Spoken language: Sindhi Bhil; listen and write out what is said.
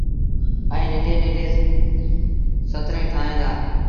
ائيٚݩ ننڍيٚݩ ننڍيٚݩ سٿريٚݩ ٺاهيݩ دآ۔